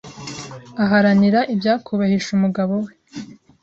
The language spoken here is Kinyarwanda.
Aharanira ibyakubahisha umugabo we.